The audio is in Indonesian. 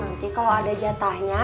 nanti kalo ada jatahnya